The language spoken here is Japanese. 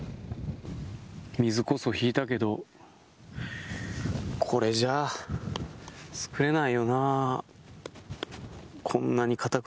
水こそ引いたけどこれじゃあ作れないよな。